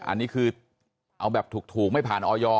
อันนี้คือเอาแบบถูกไม่ผ่านออย